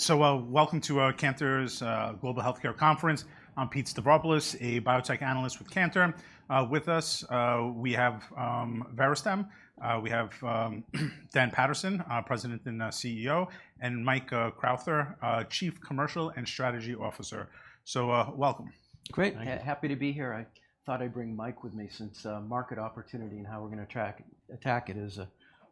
So, welcome to Cantor's Global Healthcare Conference. I'm Pete Stavropoulos, a biotech analyst with Cantor. With us, we have Verastem. We have Dan Paterson, our President and CEO, and Mike Carruthers, Chief Commercial and Strategy Officer. So, welcome. Great. Thank you. Happy to be here. I thought I'd bring Mike with me since market opportunity and how we're gonna attack it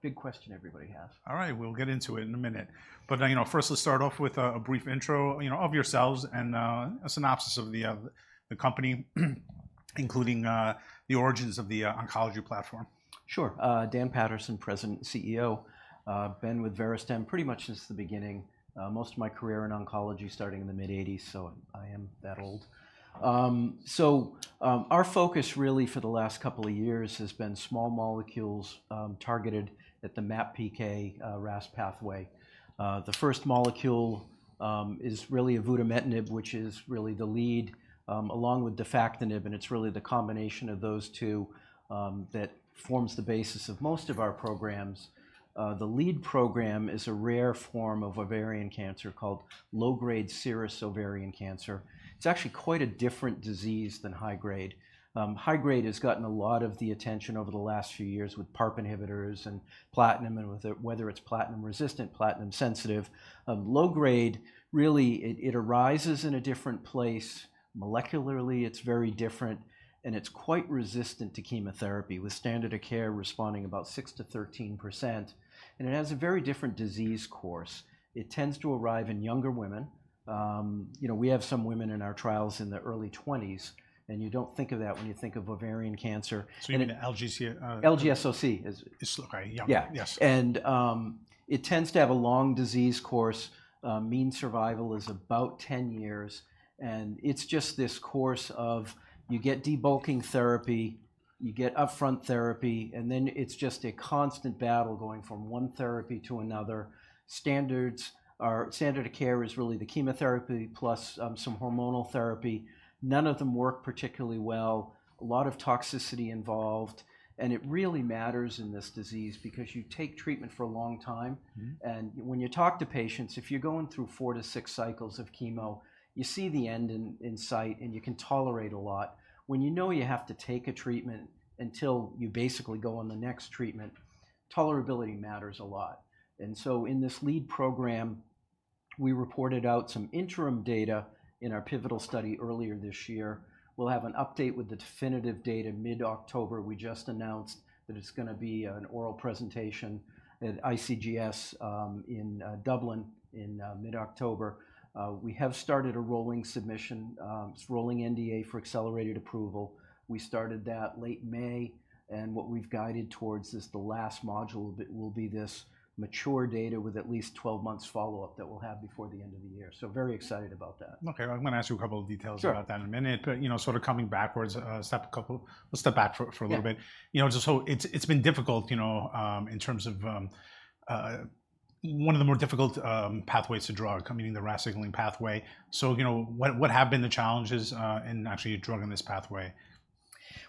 is a big question everybody has. All right, we'll get into it in a minute. But, you know, first let's start off with a brief intro, you know, of yourselves and a synopsis of the company, including the origins of the oncology platform. Sure. Dan Paterson, President and CEO. Been with Verastem pretty much since the beginning. Most of my career in oncology starting in the mid-'80s, so I am that old. Our focus really for the last couple of years has been small molecules targeted at the MAPK/RAS pathway. The first molecule is really avutometinib, which is really the lead along with defactinib, and it's really the combination of those two that forms the basis of most of our programs. The lead program is a rare form of ovarian cancer called low-grade serous ovarian cancer. It's actually quite a different disease than high-grade. High-grade has gotten a lot of the attention over the last few years with PARP inhibitors and platinum, and whether it's platinum resistant, platinum sensitive. Low grade, really, it arises in a different place. Molecularly, it's very different, and it's quite resistant to chemotherapy, with standard of care responding about 6%-13%, and it has a very different disease course. It tends to arrive in younger women. You know, we have some women in our trials in their early 20s, and you don't think of that when you think of ovarian cancer. So you mean LG... LGSOC is- Okay, yeah. Yeah. Yes. It tends to have a long disease course. Mean survival is about 10 years, and it's just this course of you get debulking therapy, you get upfront therapy, and then it's just a constant battle going from one therapy to another. Standard of care is really the chemotherapy plus some hormonal therapy. None of them work particularly well, a lot of toxicity involved, and it really matters in this disease because you take treatment for a long time. Mm-hmm. And when you talk to patients, if you're going through four to six cycles of chemo, you see the end in sight, and you can tolerate a lot. When you know you have to take a treatment until you basically go on the next treatment, tolerability matters a lot. And so in this lead program, we reported out some interim data in our pivotal study earlier this year. We'll have an update with the definitive data mid-October. We just announced that it's gonna be an oral presentation at IGCS in Dublin in mid-October. We have started a rolling submission, it's rolling NDA for accelerated approval. We started that late May, and what we've guided towards is the last module that will be this mature data with at least twelve months follow-up that we'll have before the end of the year. So very excited about that. Okay, I'm gonna ask you a couple of details- Sure... about that in a minute. But, you know, sort of coming backwards, step a couple, let's step back for a little bit. Yeah. You know, so it's been difficult, you know, in terms of, one of the more difficult pathways to drug are coming in the RAS signaling pathway. So, you know, what have been the challenges in actually drugging this pathway?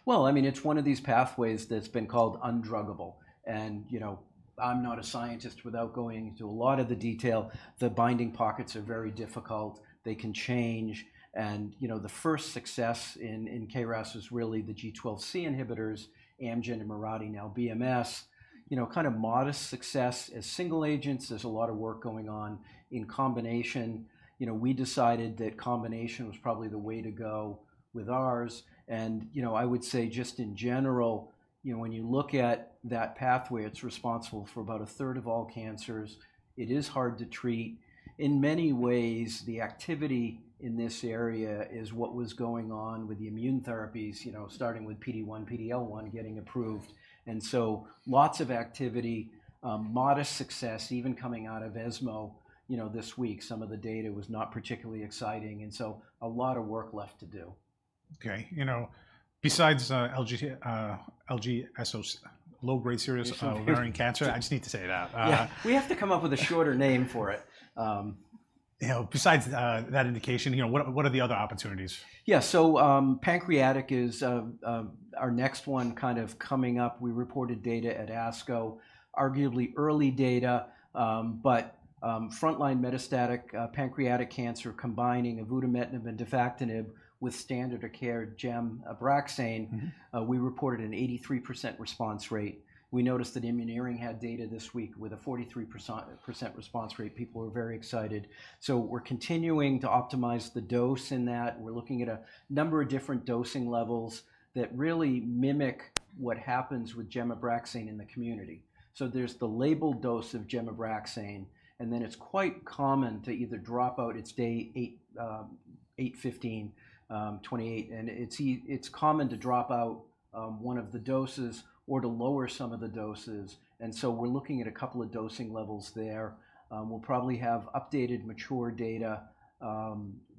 I mean, it's one of these pathways that's been called undruggable. You know, I'm not a scientist. Without going into a lot of the detail, the binding pockets are very difficult. They can change, and, you know, the first success in KRAS was really the G12C inhibitors, Amgen and Mirati, now BMS. You know, kind of modest success as single agents. There's a lot of work going on in combination. You know, we decided that combination was probably the way to go with ours, and, you know, I would say just in general, you know, when you look at that pathway, it's responsible for about a third of all cancers. It is hard to treat. In many ways, the activity in this area is what was going on with the immune therapies, you know, starting with PD-1, PD-L1, getting approved, and so lots of activity, modest success, even coming out of ESMO, you know, this week. Some of the data was not particularly exciting, and so a lot of work left to do. Okay. You know, besides LGSOC, low-grade serous ovarian cancer, I just need to say that, Yeah. We have to come up with a shorter name for it. You know, besides that indication, you know, what are the other opportunities? Yeah. So, pancreatic is our next one kind of coming up. We reported data at ASCO, arguably early data, but frontline metastatic pancreatic cancer, combining avutometinib and defactinib with standard of care gem Abraxane. Mm-hmm. We reported an 83% response rate. We noticed that Immuneering had data this week with a 43% response rate. People are very excited. So we're continuing to optimize the dose in that. We're looking at a number of different dosing levels that really mimic what happens with gem Abraxane in the community. So there's the label dose of gem Abraxane, and then it's quite common to either drop out, it's day 8, 15, 28, and it's common to drop out one of the doses or to lower some of the doses, and so we're looking at a couple of dosing levels there. We'll probably have updated mature data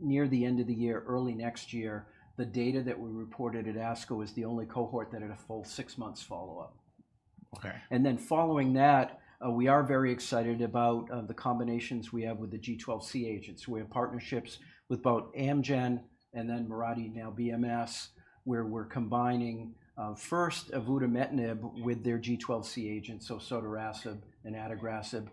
near the end of the year, early next year. The data that we reported at ASCO is the only cohort that had a full six months follow-up, and then following that, we are very excited about the combinations we have with the G12C agents. We have partnerships with both Amgen and then Mirati, now BMS, where we're combining first avutometinib with their G12C agent, so sotorasib and adagrasib,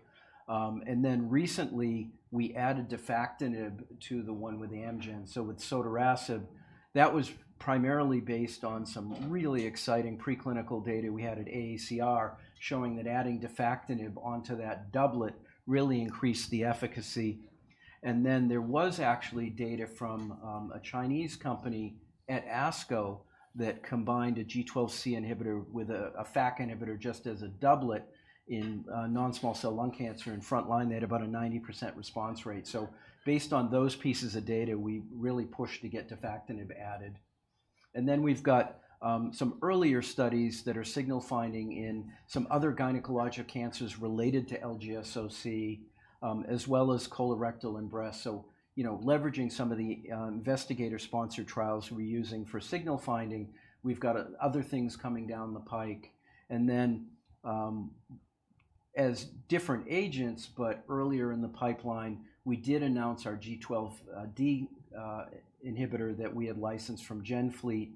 and then recently, we added defactinib to the one with Amgen, so with sotorasib, that was primarily based on some really exciting preclinical data we had at AACR, showing that adding defactinib onto that doublet really increased the efficacy, and then there was actually data from a Chinese company at ASCO that combined a G12C inhibitor with a FAK inhibitor just as a doublet in non-small cell lung cancer. In frontline, they had about a 90% response rate. So based on those pieces of data, we really pushed to get defactinib added. And then we've got some earlier studies that are signal finding in some other gynecologic cancers related to LGSOC, as well as colorectal and breast. So, you know, leveraging some of the investigator-sponsored trials we're using for signal finding, we've got other things coming down the pike. And then, as different agents, but earlier in the pipeline, we did announce our G12D inhibitor that we had licensed from GenFleet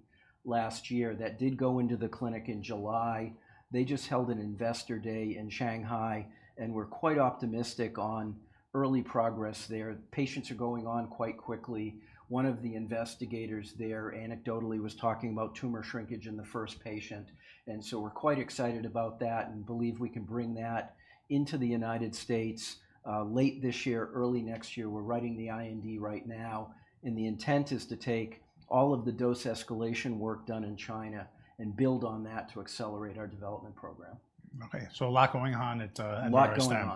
last year, that did go into the clinic in July. They just held an investor day in Shanghai, and we're quite optimistic on early progress there. Patients are going on quite quickly. One of the investigators there anecdotally was talking about tumor shrinkage in the first patient, and so we're quite excited about that and believe we can bring that into the United States, late this year, early next year. We're writing the IND right now, and the intent is to take all of the dose escalation work done in China and build on that to accelerate our development program. Okay, so a lot going on at Verastem. A lot going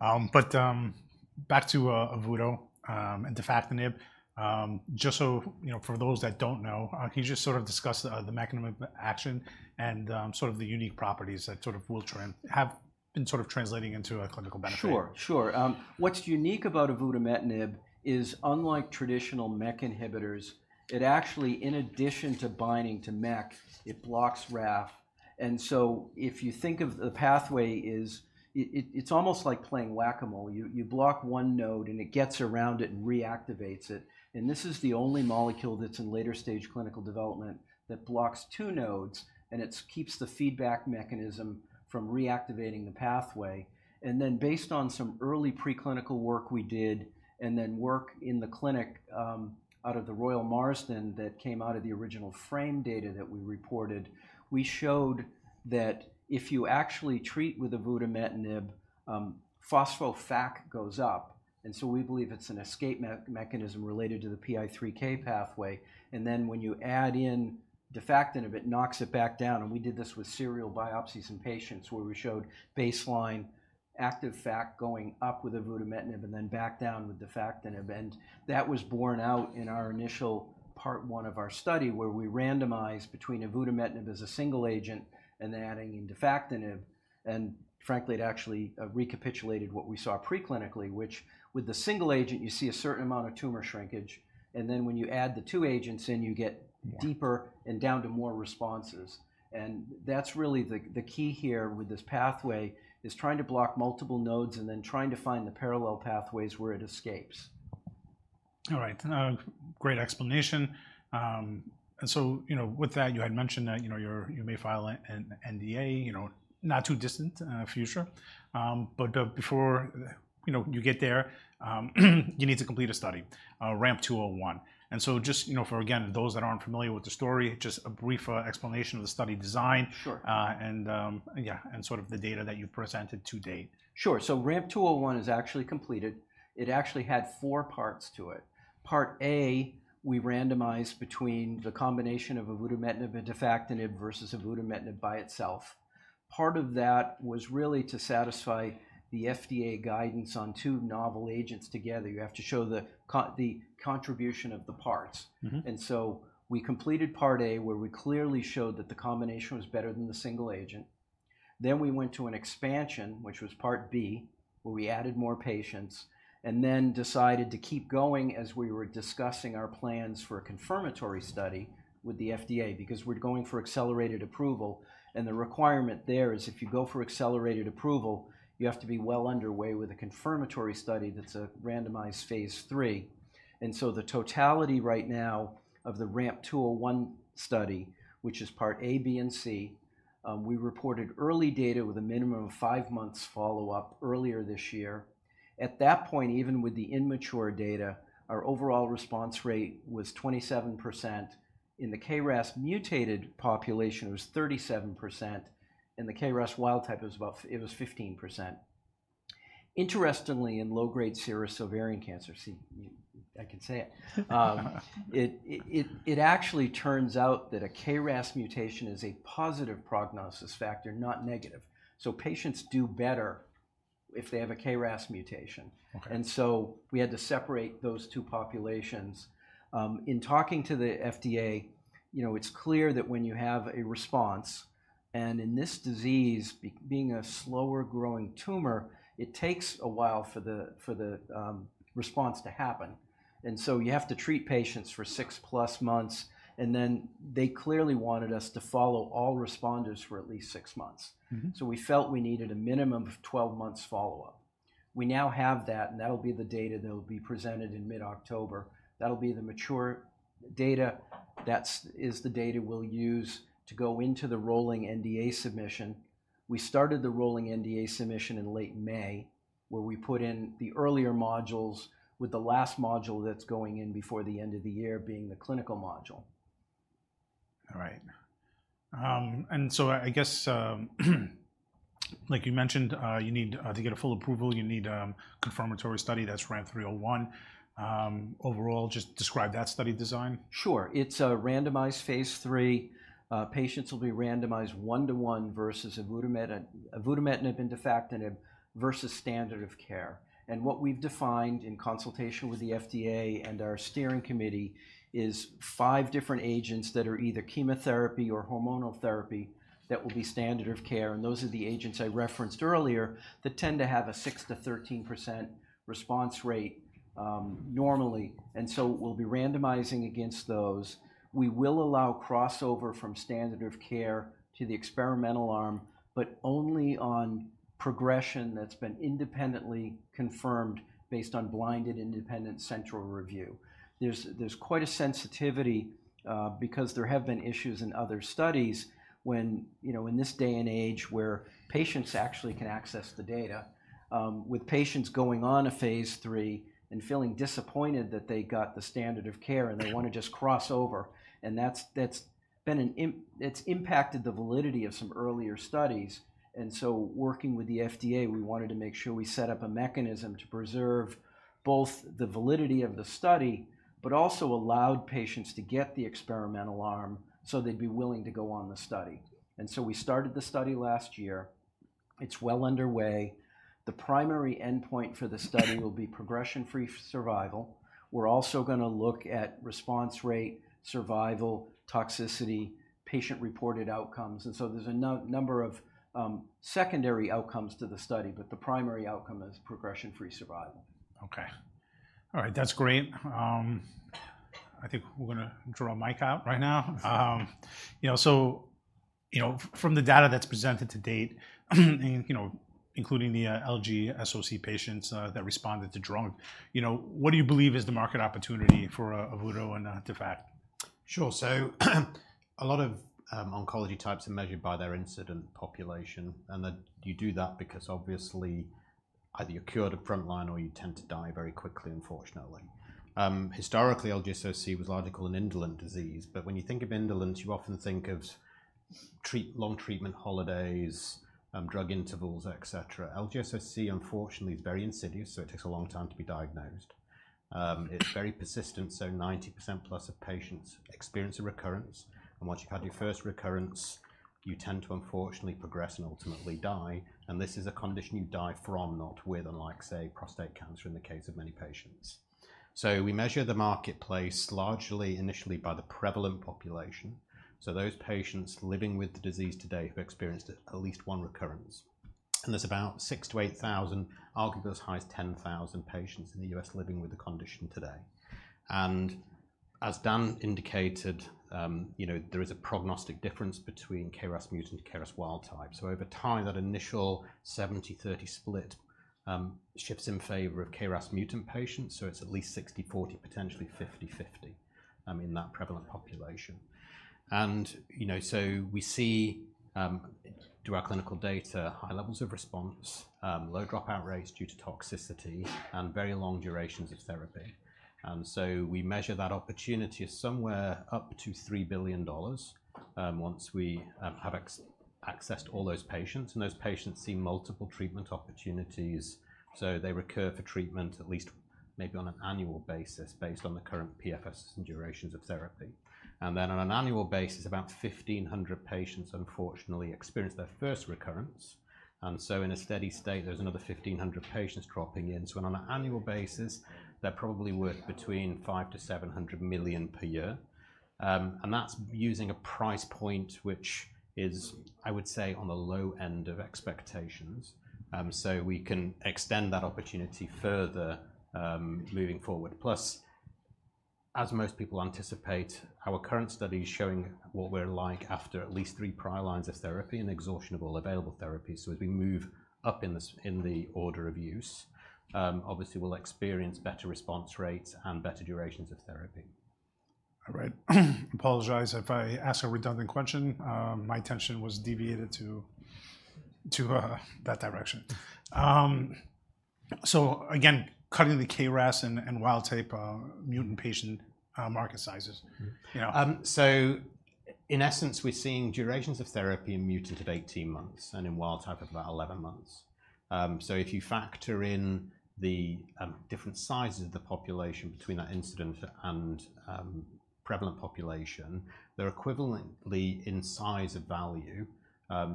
on. But, back to avutometinib and defactinib. Just so, you know, for those that don't know, can you just sort of discuss the mechanism of action and sort of the unique properties that sort of will have been sort of translating into a clinical benefit? Sure, sure. What's unique about avutometinib is, unlike traditional MEK inhibitors, it actually, in addition to binding to MEK, it blocks RAF. And so if you think of the pathway, it's almost like playing Whac-A-Mole. You block one node, and it gets around it and reactivates it, and this is the only molecule that's in later stage clinical development that blocks two nodes, and it keeps the feedback mechanism from reactivating the pathway. And then, based on some early preclinical work we did, and then work in the clinic, out of the Royal Marsden that came out of the original FRAME data that we reported, we showed that if you actually treat with avutometinib, phospho-FAK goes up, and so we believe it's an escape mechanism related to the PI3K pathway. And then, when you add in defactinib, it knocks it back down, and we did this with serial biopsies in patients, where we showed baseline active FAK going up with avutometinib and then back down with defactinib. And that was borne out in our initial part one of our study, where we randomized between avutometinib as a single agent and adding in defactinib. And frankly, it actually recapitulated what we saw preclinically, which with the single agent, you see a certain amount of tumor shrinkage, and then when you add the two agents in, you get deeper- Yeah... and down to more responses. And that's really the key here with this pathway, is trying to block multiple nodes and then trying to find the parallel pathways where it escapes. All right. Great explanation, and so, you know, with that, you had mentioned that, you know, you may file an NDA, you know, not too distant future, but before, you know, you get there, you need to complete a study, RAMP 201, and so just, you know, for, again, those that aren't familiar with the story, just a brief explanation of the study design. Sure... and yeah, and sort of the data that you've presented to date. Sure. So RAMP 201 is actually completed. It actually had four parts to it. Part A, we randomized between the combination of avutometinib and defactinib versus avutometinib by itself. Part of that was really to satisfy the FDA guidance on two novel agents together. You have to show the contribution of the parts. Mm-hmm. We completed part A, where we clearly showed that the combination was better than the single agent. Then we went to an expansion, which was part B, where we added more patients and then decided to keep going as we were discussing our plans for a confirmatory study with the FDA. Because we're going for accelerated approval, and the requirement there is, if you go for accelerated approval, you have to be well underway with a confirmatory study that's a randomized Phase III. The totality right now of the RAMP 201 study, which is part A, B, and C, we reported early data with a minimum of five months follow-up earlier this year. At that point, even with the immature data, our overall response rate was 27%. In the KRAS mutated population, it was 37%. In the KRAS wild type, it was about... It was 15%. Interestingly, in low-grade serous ovarian cancer, see, I can say it. It actually turns out that a KRAS mutation is a positive prognosis factor, not negative, so patients do better if they have a KRAS mutation. Okay. So we had to separate those two populations. In talking to the FDA, you know, it's clear that when you have a response, and in this disease, being a slower growing tumor, it takes a while for the response to happen, and so you have to treat patients for six plus months, and then they clearly wanted us to follow all responders for at least six months. Mm-hmm. So we felt we needed a minimum of 12 months follow-up. We now have that, and that'll be the data that will be presented in mid-October. That'll be the mature data. That is the data we'll use to go into the rolling NDA submission. We started the rolling NDA submission in late May, where we put in the earlier modules, with the last module that's going in before the end of the year being the clinical module. All right. And so I guess, like you mentioned, you need to get a full approval, you need a confirmatory study that's RAMP 301. Overall, just describe that study design. Sure. It's a randomized Phase III. Patients will be randomized one to one versus avutometinib and defactinib versus standard of care, and what we've defined in consultation with the FDA and our steering committee is five different agents that are either chemotherapy or hormonal therapy that will be standard of care, and those are the agents I referenced earlier, that tend to have a 6%-13% response rate, normally, and so we'll be randomizing against those. We will allow crossover from standard of care to the experimental arm, but only on progression that's been independently confirmed based on blinded independent central review. There's quite a sensitivity because there have been issues in other studies when, you know, in this day and age, where patients actually can access the data, with patients going on a Phase III and feeling disappointed that they got the standard of care, and they want to just cross over. And that's been an impact. It's impacted the validity of some earlier studies, and so working with the FDA, we wanted to make sure we set up a mechanism to preserve both the validity of the study, but also allowed patients to get the experimental arm, so they'd be willing to go on the study. And so we started the study last year. It's well underway. The primary endpoint for the study will be progression-free survival. We're also gonna look at response rate, survival, toxicity, patient-reported outcomes, and so there's a number of secondary outcomes to the study, but the primary outcome is progression-free survival. Okay. All right, that's great. I think we're gonna draw Mike out right now. You know, so, you know, from the data that's presented to date, and, you know, including the LGSOC patients that responded to drug, you know, what do you believe is the market opportunity for avuto and defac? Sure. So, a lot of oncology types are measured by their incidence population, and that you do that because obviously either you're cured of frontline or you tend to die very quickly, unfortunately. Historically, LGSOC was largely called an indolent disease, but when you think of indolence, you often think of long treatment holidays, drug intervals, et cetera. LGSOC, unfortunately, is very insidious, so it takes a long time to be diagnosed. It's very persistent, so 90% plus of patients experience a recurrence, and once you've had your first recurrence, you tend to unfortunately progress and ultimately die. And this is a condition you die from, not with, unlike, say, prostate cancer in the case of many patients. So we measure the marketplace largely initially by the prevalent population, so those patients living with the disease today who have experienced at least one recurrence. There's about 6,000-8,000, arguably as high as 10,000 patients in the U.S. living with the condition today. As Dan indicated, you know, there is a prognostic difference between KRAS mutant and KRAS wild type. Over time, that initial 70-30 split shifts in favor of KRAS mutant patients, so it's at least 60-40, potentially 50-50 in that prevalent population. You know, we see through our clinical data, high levels of response, low dropout rates due to toxicity and very long durations of therapy. We measure that opportunity as somewhere up to $3 billion once we have accessed all those patients, and those patients see multiple treatment opportunities, so they recur for treatment at least maybe on an annual basis, based on the current PFS and durations of therapy. And then on an annual basis, about 1,500 patients unfortunately experience their first recurrence. And so in a steady state, there's another 1,500 patients dropping in. So on an annual basis, they're probably worth between $500 million-$700 million per year. And that's using a price point, which is, I would say, on the low end of expectations. So we can extend that opportunity further, moving forward. Plus, as most people anticipate, our current study is showing what we're like after at least three prior lines of therapy and exhaustion of all available therapies. So as we move up in the order of use, obviously we'll experience better response rates and better durations of therapy. All right. Apologize if I asked a redundant question. My attention was deviated to that direction. So again, cutting the KRAS and wild type mutant patient market sizes, you know. So in essence, we're seeing durations of therapy in mutant of 18 months and in wild type of about 11 months. So if you factor in the different sizes of the population between that incident and prevalent population, they're equivalently in size of value.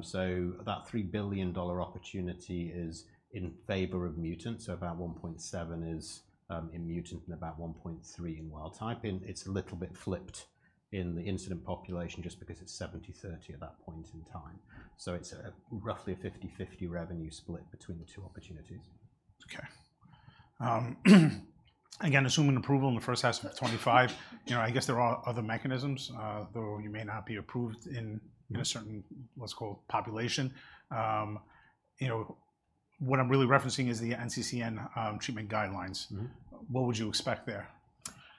So that $3 billion opportunity is in favor of mutant, so about $1.7 billion is in mutant and about $1.3 billion in wild type. And it's a little bit flipped in the incident population just because it's 70-30 at that point in time. So it's a roughly a 50-50 revenue split between the two opportunities. Again, assuming approval in the first half of 2025, you know, I guess there are other mechanisms, though you may not be approved in a certain, what's it called, population. You know, what I'm really referencing is the NCCN treatment guidelines. Mm-hmm. What would you expect there?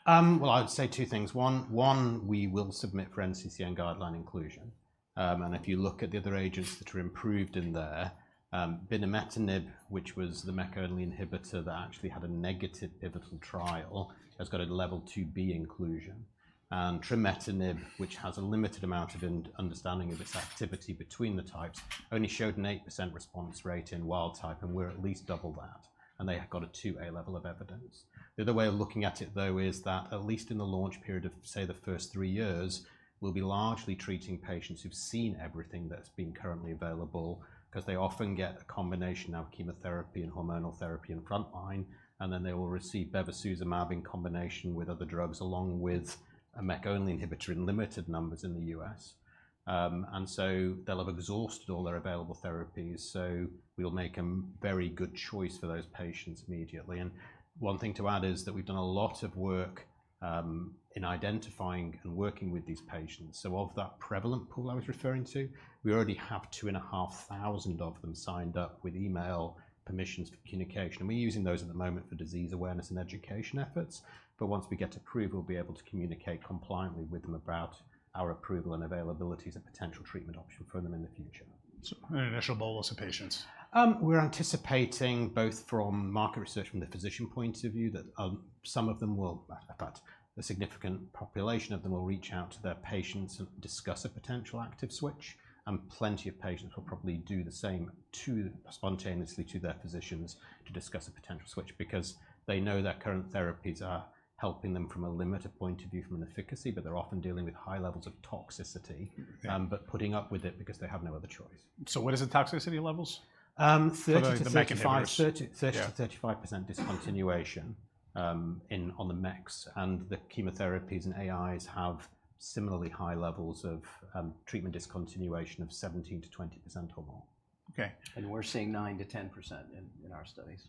Well, I would say two things. One, we will submit for NCCN guideline inclusion. And if you look at the other agents that are approved in there, binimetinib, which was the MEK-only inhibitor that actually had a negative pivotal trial, has got a level 2-B inclusion. And trametinib, which has a limited amount of understanding of its activity between the types, only showed an 8% response rate in wild type, and we're at least double that, and they have got a 2-A level of evidence. The other way of looking at it, though, is that at least in the launch period of, say, the first three years, we'll be largely treating patients who've seen everything that's been currently available. 'Cause they often get a combination of chemotherapy and hormonal therapy in the front line, and then they will receive bevacizumab in combination with other drugs, along with a MEK-only inhibitor in limited numbers in the U.S., and so they'll have exhausted all their available therapies, so we'll make a very good choice for those patients immediately, and one thing to add is that we've done a lot of work in identifying and working with these patients, so of that prevalent pool I was referring to, we already have 2,500 of them signed up with email permissions for communication, and we're using those at the moment for disease awareness and education efforts, but once we get approval, we'll be able to communicate compliantly with them about our approval and availabilities and potential treatment option for them in the future. An initial bolus of patients. We're anticipating, both from market research and from the physician point of view, that some of them will... In fact, a significant population of them will reach out to their patients and discuss a potential active switch, and plenty of patients will probably do the same to, spontaneously to their physicians to discuss a potential switch. Because they know that current therapies are helping them from a limited point of view, from an efficacy, but they're often dealing with high levels of toxicity- Mm-hmm, yeah. but putting up with it because they have no other choice. What is the toxicity levels? 30%-35%- For the MEK inhibitors. 30%-35% discontinuation in the MEKs, and the chemotherapies and AIs have similarly high levels of treatment discontinuation of 17%-20% or more. Okay. We're seeing 9-10% in our studies.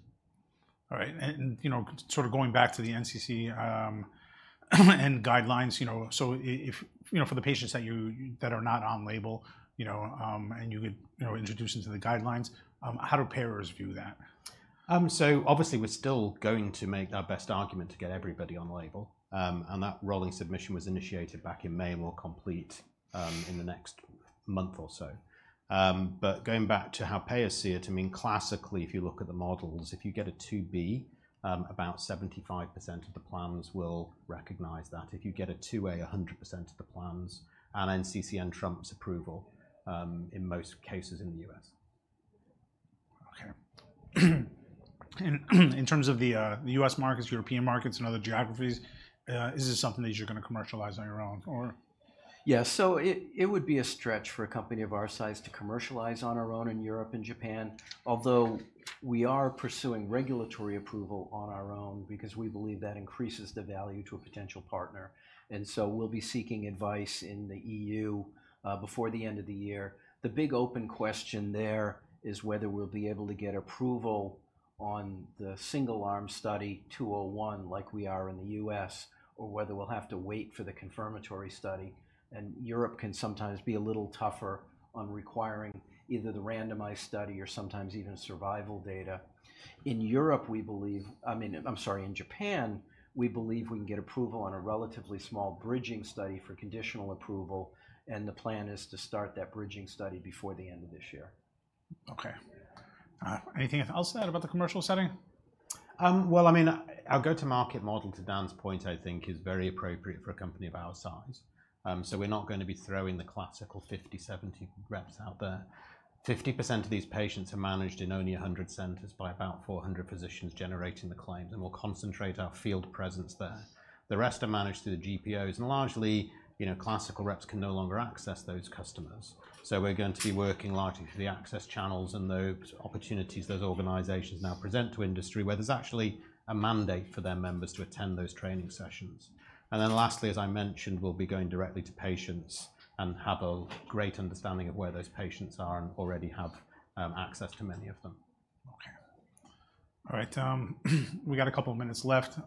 All right. And, you know, sort of going back to the NCCN guidelines, you know, so if, you know, for the patients that are not on-label, you know, and you could, you know, introduce into the guidelines, how do payers view that? So obviously we're still going to make our best argument to get everybody on-label, and that rolling submission was initiated back in May and will complete in the next month or so. But going back to how payers see it, I mean, classically, if you look at the models, if you get a 2B, about 75% of the plans will recognize that. If you get a 2A, 100% of the plans, and NCCN trumps approval in most cases in the U.S. Okay. And in terms of the U.S. markets, European markets, and other geographies, is this something that you're gonna commercialize on your own, or? Yeah. So it would be a stretch for a company of our size to commercialize on our own in Europe and Japan, although we are pursuing regulatory approval on our own because we believe that increases the value to a potential partner, and so we'll be seeking advice in the E.U. before the end of the year. The big open question there is whether we'll be able to get approval on the single-arm study 201, like we are in the U.S., or whether we'll have to wait for the confirmatory study, and Europe can sometimes be a little tougher on requiring either the randomized study or sometimes even survival data. In Europe, we believe... I mean, I'm sorry, in Japan, we believe we can get approval on a relatively small bridging study for conditional approval, and the plan is to start that bridging study before the end of this year. Okay, anything else to add about the commercial setting? I mean, our go-to-market model, to Dan's point, I think is very appropriate for a company of our size, so we're not going to be throwing the classical 50, 70 reps out there. 50% of these patients are managed in only 100 centers by about 400 physicians generating the claims, and we'll concentrate our field presence there. The rest are managed through the GPOs, and largely, you know, classical reps can no longer access those customers. So we're going to be working largely through the access channels and those opportunities those organizations now present to industry, where there's actually a mandate for their members to attend those training sessions, and then lastly, as I mentioned, we'll be going directly to patients and have a great understanding of where those patients are and already have access to many of them. Okay. All right, we got a couple minutes left.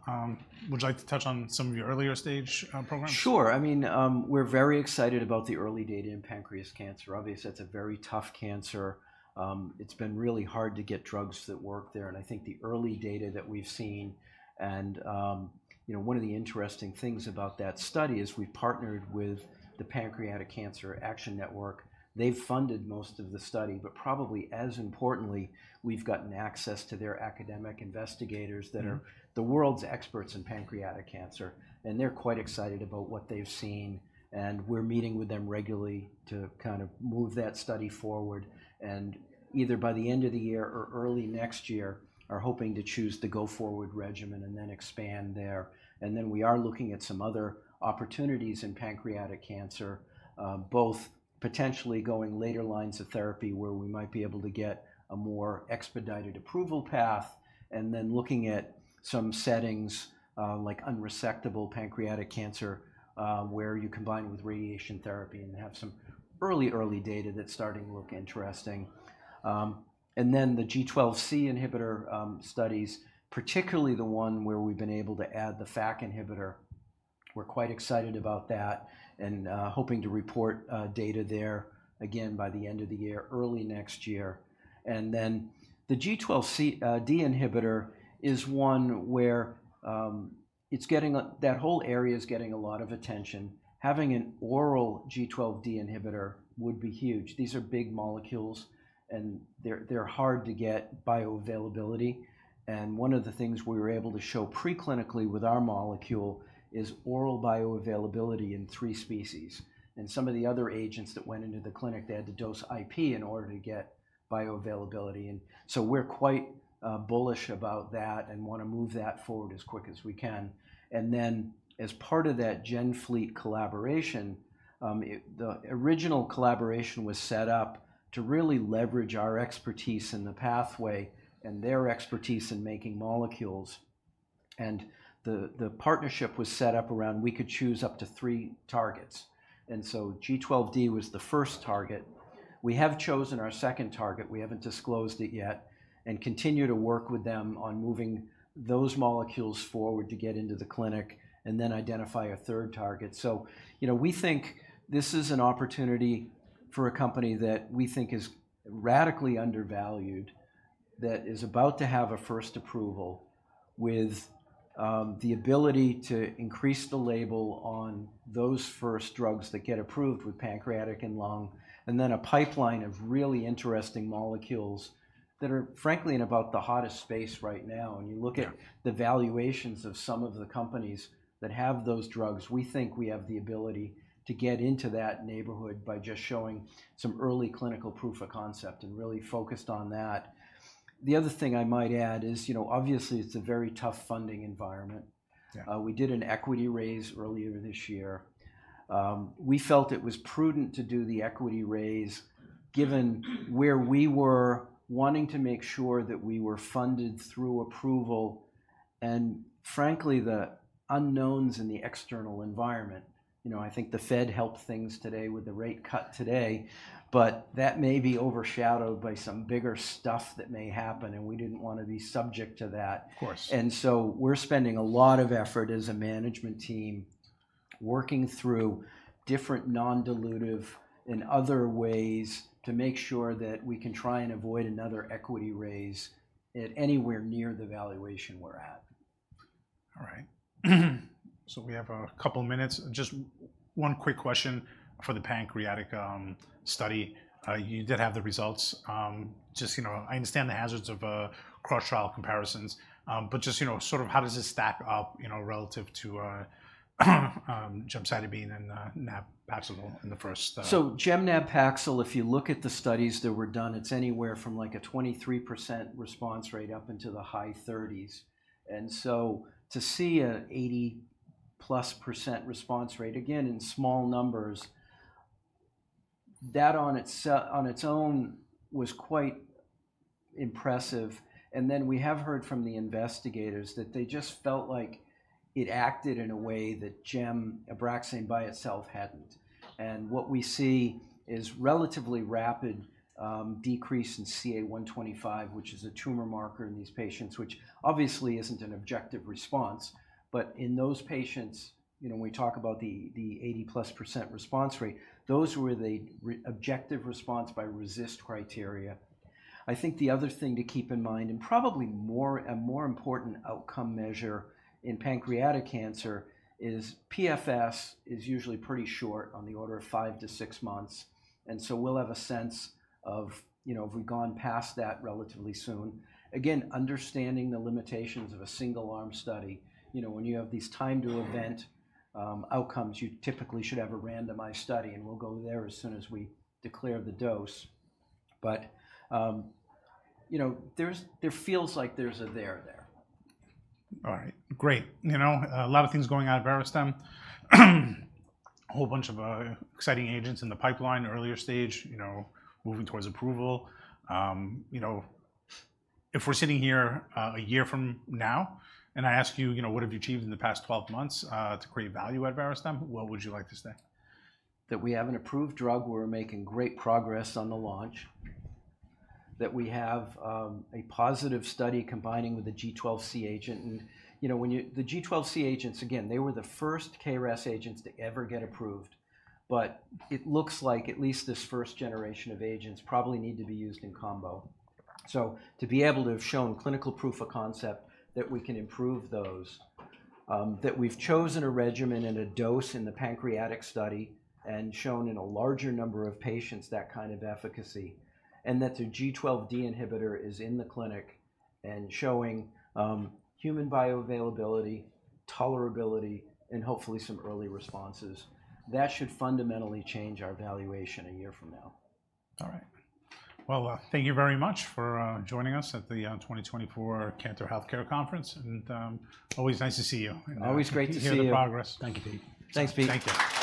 Would you like to touch on some of your earlier stage programs? Sure. I mean, we're very excited about the early data in pancreatic cancer. Obviously, that's a very tough cancer. It's been really hard to get drugs that work there, and I think the early data that we've seen and, you know, one of the interesting things about that study is we've partnered with the Pancreatic Cancer Action Network. They've funded most of the study, but probably as importantly, we've gotten access to their academic investigators that are- Mm-hmm... The world's experts in pancreatic cancer, and they're quite excited about what they've seen, and we're meeting with them regularly to kind of move that study forward, and either by the end of the year or early next year, are hoping to choose the go-forward regimen and then expand there. And then we are looking at some other opportunities in pancreatic cancer, both potentially going later lines of therapy, where we might be able to get a more expedited approval path. And then looking at some settings, like unresectable pancreatic cancer, where you combine with radiation therapy and have some early data that's starting to look interesting. And then the G12C inhibitor studies, particularly the one where we've been able to add the FAK inhibitor-... We're quite excited about that, and hoping to report data there again by the end of the year, early next year. And then the G12D inhibitor is one where that whole area is getting a lot of attention. Having an oral G12D inhibitor would be huge. These are big molecules, and they're hard to get bioavailability, and one of the things we were able to show preclinically with our molecule is oral bioavailability in three species. And some of the other agents that went into the clinic, they had to dose IP in order to get bioavailability, and so we're quite bullish about that and want to move that forward as quick as we can. Then, as part of that GenFleet collaboration, the original collaboration was set up to really leverage our expertise in the pathway and their expertise in making molecules, and the partnership was set up around, we could choose up to three targets, and so G12D was the first target. We have chosen our second target, we haven't disclosed it yet, and continue to work with them on moving those molecules forward to get into the clinic and then identify a third target. So, you know, we think this is an opportunity for a company that we think is radically undervalued, that is about to have a first approval, with the ability to increase the label on those first drugs that get approved with pancreatic and lung, and then a pipeline of really interesting molecules that are frankly, in about the hottest space right now. Yeah. When you look at the valuations of some of the companies that have those drugs, we think we have the ability to get into that neighborhood by just showing some early clinical proof of concept and really focused on that. The other thing I might add is, you know, obviously it's a very tough funding environment. Yeah. We did an equity raise earlier this year. We felt it was prudent to do the equity raise, given where we were wanting to make sure that we were funded through approval, and frankly, the unknowns in the external environment. You know, I think the Fed helped things today with the rate cut today, but that may be overshadowed by some bigger stuff that may happen, and we didn't want to be subject to that. Of course. And so we're spending a lot of effort as a management team, working through different non-dilutive and other ways to make sure that we can try and avoid another equity raise at anywhere near the valuation we're at. All right. So we have a couple minutes. Just one quick question for the pancreatic study. You did have the results. Just, you know, I understand the hazards of cross-trial comparisons, but just, you know, sort of how does this stack up, you know, relative to gemcitabine and nab-paclitaxel in the first- So gem nab-paxil, if you look at the studies that were done, it's anywhere from, like, a 23% response rate up into the high 30s. And so to see an 80+% response rate, again, in small numbers, that on its own was quite impressive, and then we have heard from the investigators that they just felt like it acted in a way that gem Abraxane by itself hadn't. And what we see is relatively rapid decrease in CA 125, which is a tumor marker in these patients, which obviously isn't an objective response. But in those patients, you know, when we talk about the 80+% response rate, those were the objective response by RECIST criteria. I think the other thing to keep in mind, and probably more, a more important outcome measure in pancreatic cancer, is PFS is usually pretty short, on the order of five-to-six months, and so we'll have a sense of, you know, if we've gone past that relatively soon. Again, understanding the limitations of a single-arm study. You know, when you have these time-to-event outcomes, you typically should have a randomized study, and we'll go there as soon as we declare the dose. But, you know, there feels like there's a there there. All right, great. You know, a lot of things going on at Verastem. A whole bunch of exciting agents in the pipeline, earlier stage, you know, moving towards approval. You know, if we're sitting here, a year from now, and I ask you, you know, "What have you achieved in the past twelve months to create value at Verastem?" What would you like to say? That we have an approved drug. We're making great progress on the launch. That we have a positive study combining with the G12C agent, and, you know, The G12C agents, again, they were the first KRAS agents to ever get approved, but it looks like at least this first generation of agents probably need to be used in combo. So to be able to have shown clinical proof of concept that we can improve those, that we've chosen a regimen and a dose in the pancreatic study, and shown in a larger number of patients that kind of efficacy, and that the G12D inhibitor is in the clinic and showing human bioavailability, tolerability, and hopefully some early responses, that should fundamentally change our valuation a year from now. All right. Thank you very much for joining us at the 2024 Cantor Healthcare Conference, and always nice to see you. Always great to see you. Hear the progress. Thank you, Pete. Thanks, Pete. Thank you.